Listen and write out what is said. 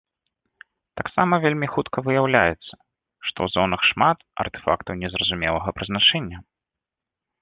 Таксама вельмі хутка выяўляецца, што ў зонах шмат артэфактаў незразумелага прызначэння.